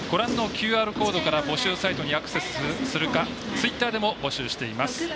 ＱＲコードから募集サイトにアクセスするかツイッターでも募集しています。